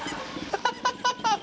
ハハハハハ！